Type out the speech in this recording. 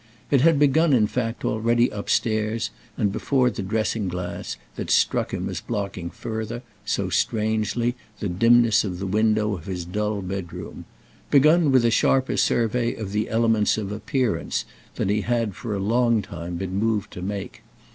It had begun in fact already upstairs and before the dressing glass that struck him as blocking further, so strangely, the dimness of the window of his dull bedroom; begun with a sharper survey of the elements of Appearance than he had for a long time been moved to make.